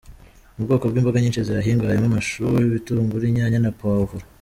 Mu bwoko bw’imboga nyinshi zihahingwa harimo amashu, ibitunguru, inyanya na Puwavuro.